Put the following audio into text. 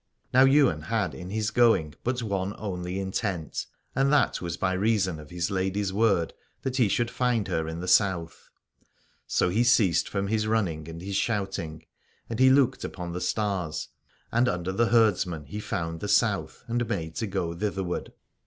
Now Ywain had in his going but one only intent, and that was by reason of his lady's word that he should find her in the South. So he ceased from his running and his shouting, and he looked upon the stars ; and under the Herdsman he found the South and made to go thitherward.